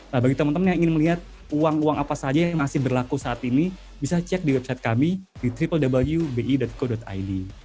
nah bagi teman teman yang ingin melihat uang uang apa saja yang masih berlaku saat ini bisa cek di website kami di triwbi co id